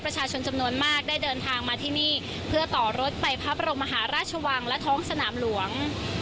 ประชาชนจำนวนมากได้เดินทางมาที่นี่เพื่อต่อรถไปพระบรมมหาราชวังและท้องสนามหลวง